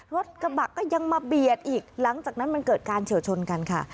รถกระบะก็ยังมาเบียดอีกหลังจากนั้นมันเกิดการเฉียวชนกันค่ะ